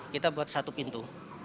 kita buat satu pintu